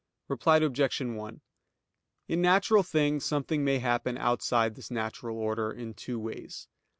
Reply Obj. 1: In natural things something may happen outside this natural order, in two ways.